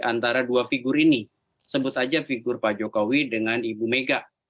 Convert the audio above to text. antara dua figur ini sebut saja figur pak jokowi dengan ibu mega